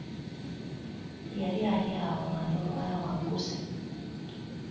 Yali ali awo nga ne muwala we agusse.